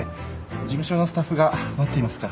事務所のスタッフが待っていますから。